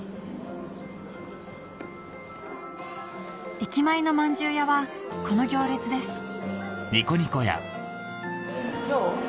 駅前のまんじゅう屋はこの行列です・どう？